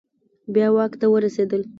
بیا واک ته ورسیدل